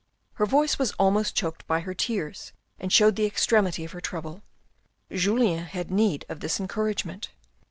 Her voice was almost choked by her tears and showed the extremity of her trouble. Julien had need of this encourage ment.